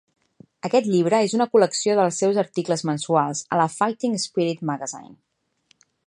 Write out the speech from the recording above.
Aquest llibre és una col·lecció dels seus articles mensuals a la Fighting Spirit Magazine.